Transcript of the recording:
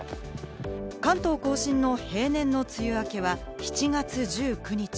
関東甲信の平年の梅雨明けは７月１９日。